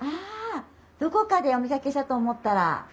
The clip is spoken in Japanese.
どこかでお見かけしたと思ったら。